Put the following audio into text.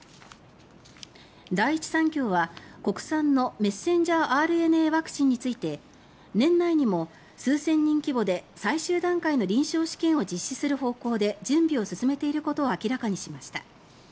第一三共は、国産のメッセンジャーＲＮＡについて年内にも数千人規模で最終段階の臨床試験を実施する方向で準備を進めていることを明らかにしました。